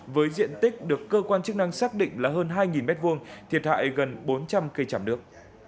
với diện tích được cơ quan chức năng xác định là hơn hai m hai thiệt hại gần bốn trăm linh cây chảm nước